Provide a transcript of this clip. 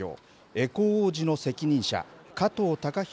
エコ王子の責任者加藤恭大